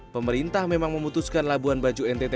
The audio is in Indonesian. pemerintah memang memutuskan labuan bajo ntt